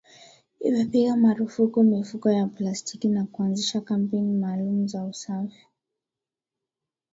Imepiga marufuku mifuko ya plastiki na kuanzisha kampeni maalumu za usafi